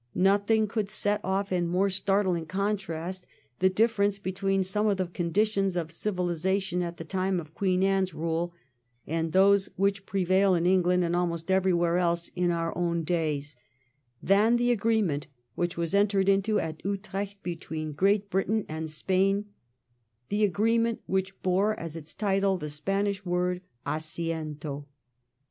Nothing could set off in more startling contrast the difference between some of the conditions of civilisation at the time of Queen Anne's rule and those which prevail in England and almost everywhere else in our own days, than the agreement which was entered into at Utrecht between Great Britain and Spain, the agreement which bore as its title the Spanish word Assiento.